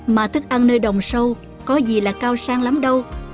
mà thức ăn nơi đồng sâu có gì là cao sang lắm đâu